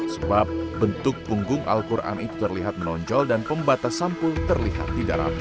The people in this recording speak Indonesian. sebab bentuk punggung al quran itu terlihat menonjol dan pembatas sampul terlihat tidak rapi